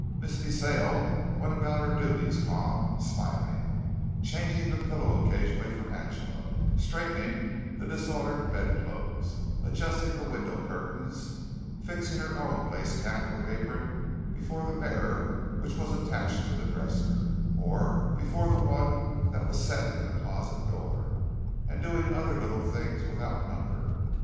Miss De Sale went about her duties calm, smiling, changing the pillows occasionally for Angela, straightening the disordered bedclothes, adjusting the window curtains, fixing her own lace cap or apron before the mirror which was attached to the dresser, or before the one that was set in the closet door, and doing other little things without number.